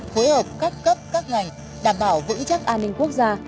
phối hợp các cấp các ngành đảm bảo vững chắc an ninh quốc gia